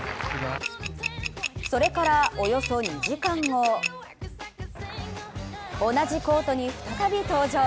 それからおよそ２時間後同じコートに再び登場。